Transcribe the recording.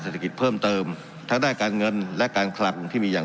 เศรษฐกิจเพิ่มเติมทั้งด้านการเงินและการคลังที่มีอย่าง